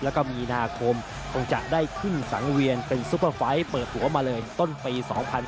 แล้วก็มีนาคมคงจะได้ขึ้นสังเวียนเป็นซุปเปอร์ไฟล์เปิดตัวมาเลยต้นปี๒๐๑๖